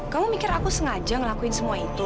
kamu mikir aku sengaja ngelakuin semua itu